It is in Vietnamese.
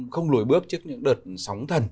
không lùi bước trước những đợt sóng thần